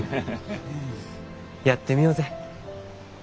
やってみようぜ。